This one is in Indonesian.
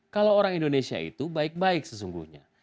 kalau orang indonesia itu baik baik sesungguhnya